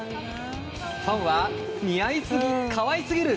ファンは似合いすぎ、可愛すぎる。